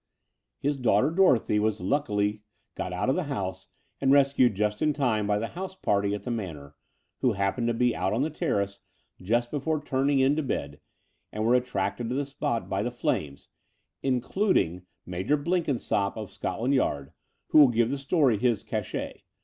His daughter, Dorothy, was luckily got out ot the house, and rescued just in time by the house party at the Manor, who happened ^o be out on the terrace just before turning in to bed and were attracted to the spot by the flames — including Major Blenkinsopp of Scotland Yard, who will give the story his cachet.